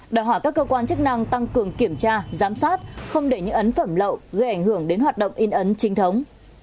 đòi hỏi các cơ quan chức năng tăng cường kiểm tra giám sát không để những ấn phẩm lậu gây ảnh hưởng đến hoạt động in ấn trinh thống